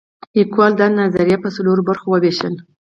لیکوال دا نظریه په څلورو برخو ویشلې.